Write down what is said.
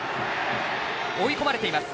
追い込まれています。